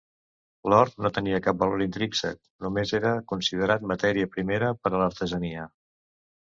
L'or no tenia cap valor intrínsec; només era considerat matèria primera per a l'artesania.